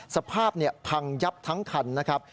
สภาพพังยับทั้งคันนะครับ